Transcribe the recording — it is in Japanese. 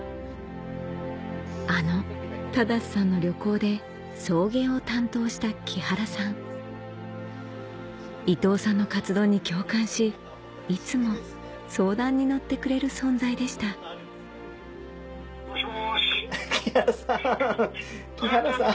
あの正さんの旅行で送迎を担当した木原さん伊藤さんの活動に共感しいつも相談に乗ってくれる存在でした木原さん木原さん。